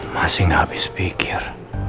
masih gak habis pikir